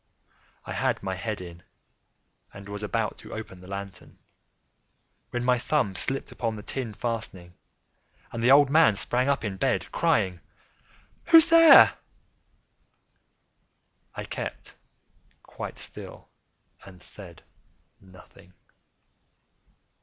I had my head in, and was about to open the lantern, when my thumb slipped upon the tin fastening, and the old man sprang up in bed, crying out—"Who's there?" I kept quite still and said nothing.